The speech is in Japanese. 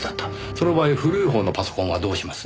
その場合古い方のパソコンはどうします？